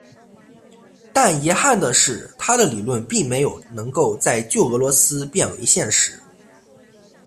但遗憾的是他的理论并没有能够在旧俄罗斯变为现实。